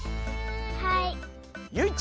はい！